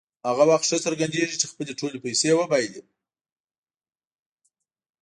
هغه وخت ښه څرګندېږي چې خپلې ټولې پیسې وبایلي.